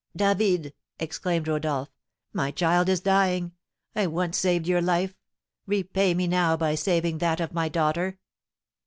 "David!" exclaimed Rodolph, "my child is dying! I once saved your life, repay me now by saving that of my daughter."